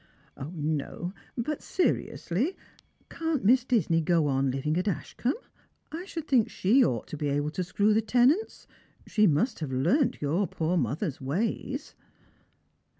" No, but seriously, can't Miss Disney go on living at Ash combe? I should think she ought to be able to screw the tenants ; she must have learnt your poor mother's ways."